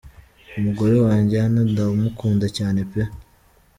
Umugore wanjye , Anna ndamukunda cyane pe.